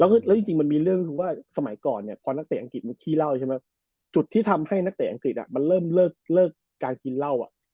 อ่าใช่เหมือนเราเคยพูดไปแล้วเนาะ